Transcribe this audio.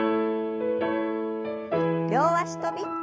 両脚跳び。